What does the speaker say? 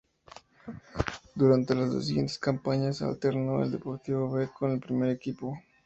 Durante las dos siguientes campañas alternó el Deportivo B con el primer equipo.